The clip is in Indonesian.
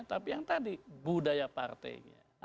tapi yang tadi budaya partainya